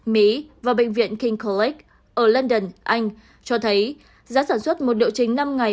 mỹ và bệnh viện king coc ở london anh cho thấy giá sản xuất một liệu trình năm ngày